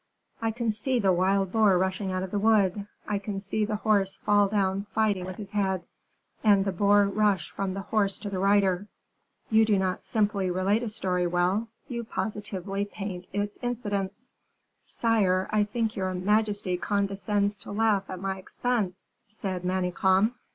I can see the wild boar rushing out of the wood I can see the horse fall down fighting with his head, and the boar rush from the horse to the rider. You do not simply relate a story well: you positively paint its incidents." "Sire, I think your majesty condescends to laugh at my expense," said Manicamp.